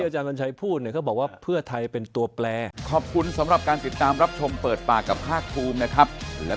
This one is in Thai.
ใจอะไรเป็นเรื่องปกติอ้าวอาจารย์บอกขั้นตรทให้ผมฟังได้